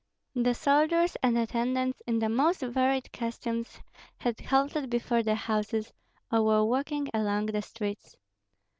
The soldiers and attendants in the most varied costumes had halted before the houses, or were walking along the streets.